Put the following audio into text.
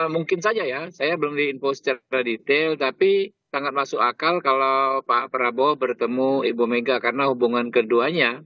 mungkin saja ya saya belum diinfo secara detail tapi sangat masuk akal kalau pak prabowo bertemu ibu mega karena hubungan keduanya